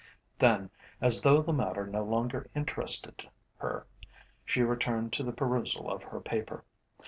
Then, as though the matter no longer interested her, she returned to the perusal of her paper.